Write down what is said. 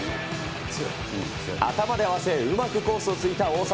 頭で合わせうまくコースを突いた大迫。